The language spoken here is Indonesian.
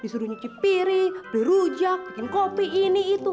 suruh nyicip piring beli rujak bikin kopi ini itu